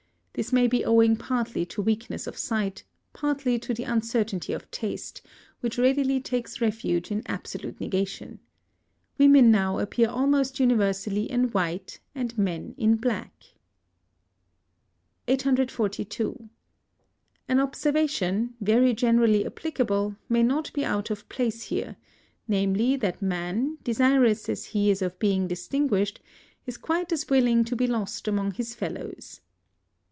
This may be owing partly to weakness of sight, partly to the uncertainty of taste, which readily takes refuge in absolute negation. Women now appear almost universally in white and men in black. 842. An observation, very generally applicable, may not be out of place here, namely, that man, desirous as he is of being distinguished, is quite as willing to be lost among his fellows.